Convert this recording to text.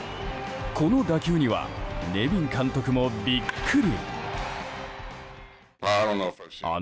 この打球にはネビン監督もビックリ。